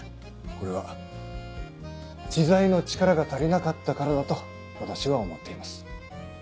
これは知財の力が足りなかったからだと私は思っています。